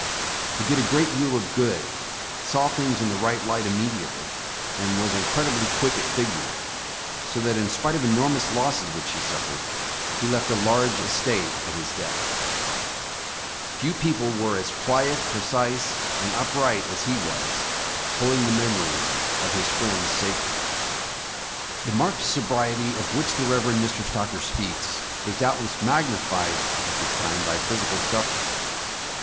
He did a great deal of good, saw things in the right light immediately, and was incredibly quick at figuring; so that, in spite of enormous losses which he suffered, he left a large estate at his death. 259 The Original John Jacob Astor Few people were as quiet, precise and upright as he was, holding the memory of his friends sacred." The marked sobriety of which the Rev. Mr. Stocker speaks, was doubtless magnified at this time by physical suffering.